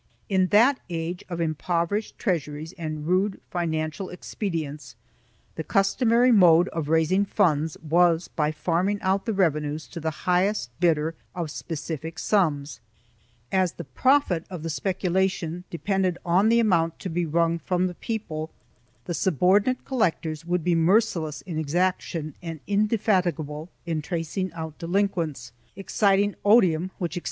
In that age of impoverished treasuries and rude financial expedients, the customary mode of raising funds was by farming out the revenues to the highest bidder of specific sums; as the profit of the speculation depended on the amount to be wrung from the people, the subordinate col lectors would be merciless in exaction and indefatigable in tracing out delinquents, exciting odium which extended to all 1 Cortes de los antiguos Reinos, II, 234.